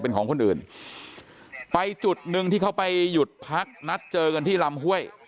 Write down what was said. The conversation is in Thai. เป็นของคนอื่นไปจุดหนึ่งที่เขาไปหยุดพักนัดเจอกันที่ลำห้วย